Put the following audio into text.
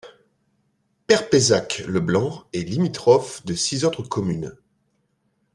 Perpezac-le-Blanc est limitrophe de six autres communes.